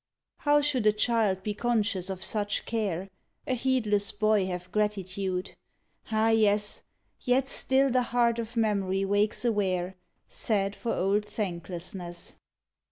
How should a child be conscious of such care? A heedless boy have gratitude? Ah, yes! Yet still the heart of memory wakes aware, Sad for old thanklessness.